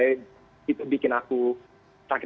itu membuatku sakit hati